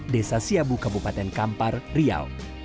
desa siabu kabupaten kampar riau